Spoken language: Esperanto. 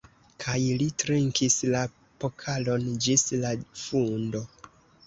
Kaj li trinkis la pokalon ĝis la fundo.